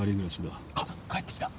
あっ帰ってきた。